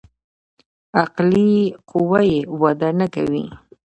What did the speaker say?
عقلي قوه يې وده نکوي.